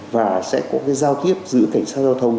và sẽ có cái giao tiếp giữa cảnh sát giao thông